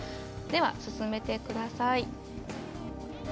では進めてください。